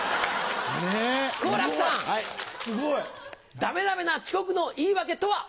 ダメダメな遅刻の言い訳とは？